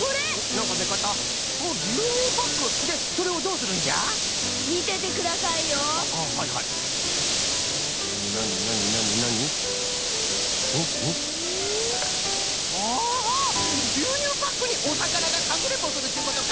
ぎゅうにゅうパックにおさかながかくれんぼするっちゅうことか！